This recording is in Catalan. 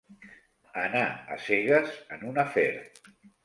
Anar a cegues en un afer.